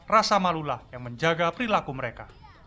rasa malulah yang menjaga perilaku mereka